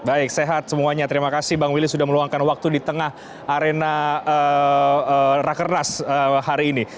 baik sehat semuanya terima kasih bang willy sudah meluangkan waktu di tengah arena rakernas hari ini